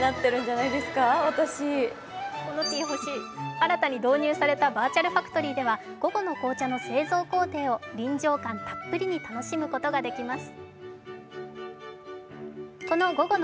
新たに導入されたバーチャルファクトリーでは午後の紅茶の製造工程を臨場感たっぷりに楽しむことができます。